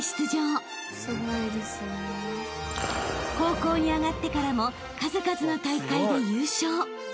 ［高校に上がってからも数々の大会で優勝］